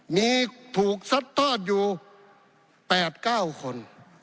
มีถูกซัดทอดอยู่๘๙คน